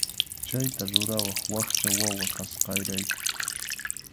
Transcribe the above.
Chayta rurawaq wakcha wawa kasqayrayku.